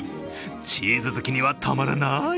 チーズ好きにはたまらない